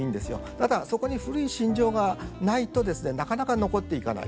ただそこに古い心情がないとですねなかなか残っていかない。